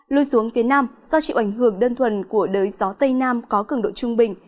lui xuống phía nam do chịu ảnh hưởng đơn thuần của đới gió tây nam có cường độ trung bình